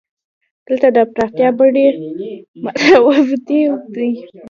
دلته د پراختیا بڼې متفاوتې دي.